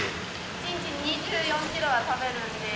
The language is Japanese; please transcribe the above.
一日２４キロは食べるので。